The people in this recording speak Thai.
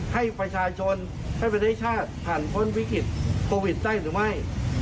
ให้ประชาชนให้ประเทศชาติผ่านพ้นวิกฤตโควิดได้หรือไม่